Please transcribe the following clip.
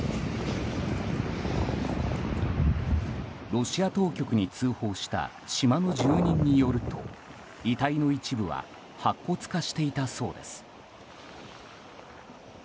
ロシア当局に通報した島の住人によると遺体の一部は白骨化していたそうです。